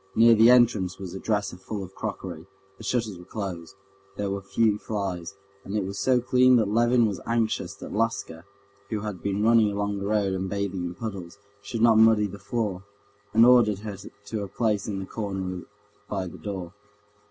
Near the entrance was a dresser full of crockery. The shutters were closed, there were few flies, and it was so clean that Levin was anxious that Laska, who had been running along the road and bathing in puddles, should not muddy the floor, and ordered her to a place in the corner by the door.